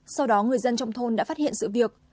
sau đó người dân trong thôn đã phát hiện sự việc